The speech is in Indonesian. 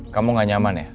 kamu gak nyaman ya